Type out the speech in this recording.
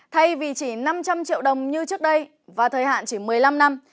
thay vì chỉ năm trăm linh triệu đồng như trước đây và thời hạn chỉ một mươi năm năm